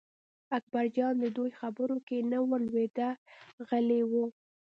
اکبرجان د دوی خبرو کې نه ور لوېده غلی و.